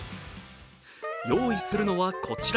用意するのはこちら。